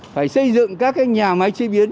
phải xây dựng các cái nhà máy chế biến